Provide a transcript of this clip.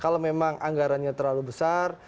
kalau memang anggarannya terlalu besar